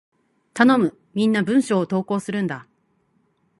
頼む！みんな文章を投稿するんだ！